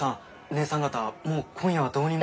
姐さん方もう今夜はどうにも。